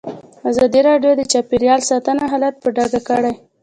ازادي راډیو د چاپیریال ساتنه حالت په ډاګه کړی.